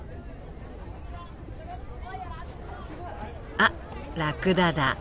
あっラクダだ。